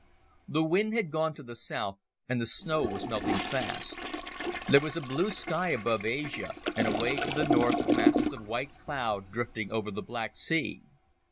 The wind had gone to the south and the snow was melting fast. There was a blue sky above Asia, and away to the north masses of white cloud drifting over the Black Sea.